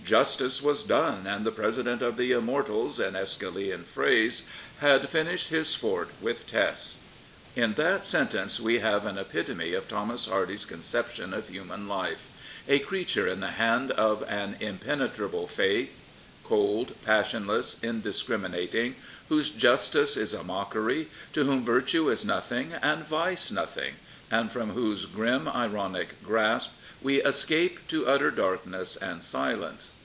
"' Justice ' was done and the President of the Immortals (in iEschylean phrase) had finished his sport with Tess." In that sentence we have an epitome of Thomas Hardy's conception of human life — a creature in the hand of an im penetrable Fate, cold, passionless, indiscriminating, whose justice is a mockery, to whom virtue is nothing and vice nothing, and from whose grim ironic grasp we escape to utter darkness and silence.